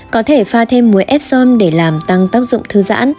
có thể pha thêm muối epsom để làm tăng tác dụng thư giãn